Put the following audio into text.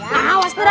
nah awas nera